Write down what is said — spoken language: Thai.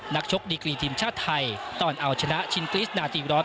ชกดีกรีทีมชาติไทยตอนเอาชนะชินกริสนาตีรอส